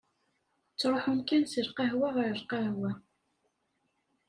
Ttruḥen kan si lqahwa ɣer lqahwa.